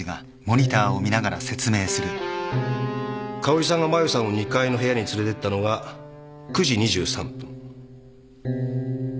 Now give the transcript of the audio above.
香織さんがマユさんを２階の部屋に連れてったのが９時２３分。